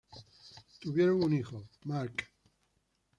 Tuvieron un hijo, Marc.